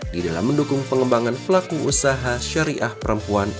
di dalam mendukung pengembangan pelaku usaha syariah perempuan